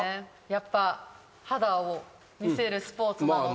やっぱ肌を見せるスポーツなので。